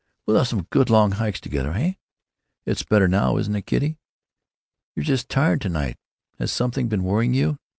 "We'll have some good long hikes together, heh?... It's better now, isn't it, kiddy? You're just tired to night. Has something been worrying you?